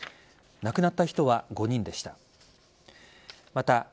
亡くなった人は５人でした。